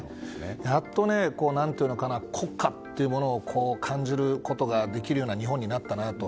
やっと国家というものを感じることができるような日本になったなと。